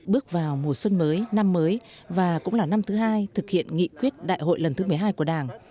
bước vào mùa xuân mới năm mới và cũng là năm thứ hai thực hiện nghị quyết đại hội lần thứ một mươi hai của đảng